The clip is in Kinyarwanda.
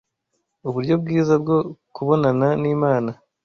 uburyo bwiza bwo kubonana n’Imana